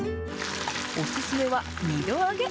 お勧めは２度揚げ。